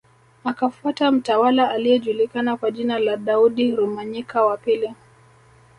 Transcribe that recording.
Akafuata mtawala aliyejulikana kwa jina la Daudi Rumanyika wa pili